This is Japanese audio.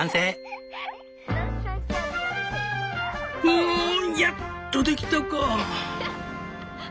「うわんやっとできたか！」。